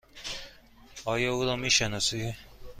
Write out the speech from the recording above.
آیا او را می شناسی؟